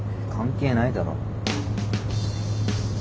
関係ないだろ。